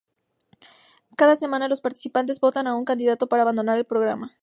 Cada semana, los participantes votan a un candidato para abandonar el programa.